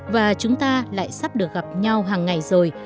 và chúng ta lại sắp được gặp nhau hàng ngày rồi